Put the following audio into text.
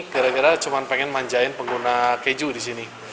kira kira cuma pengen manjain pengguna keju di sini